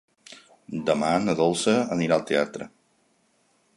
Demà na Dolça anirà al teatre.